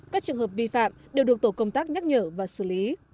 các trường hợp vi phạm đều được tổ công tác nhắc nhở và xử lý